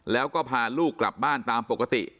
แล้วก็พาลูกกลับบ้านตามปกติ